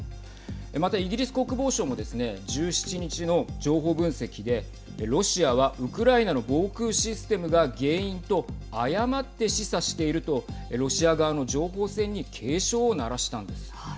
またイギリス国防省もですね１７日の情報分析でロシアはウクライナの防空システムが原因と誤って示唆しているとロシア側の情報戦に警鐘を鳴らしたんです。